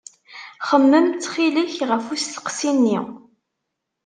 Xemmem ttxil-k ɣef usteqsi-nni.